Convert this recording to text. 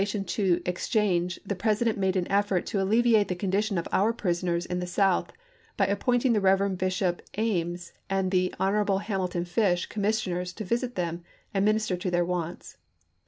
tion to exchange the President made an effort to alleviate the condition of our prisoners in the South by appointing the Eeverend Bishop Ames and the Hon. Hamilton Fish commissioners to visit them and minister to their wants.